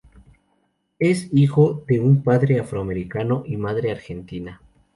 Es hijo de un padre afro-americano y madre argentina.